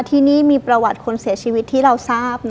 ที่นี่มีประวัติคนเสียชีวิตที่เราทราบ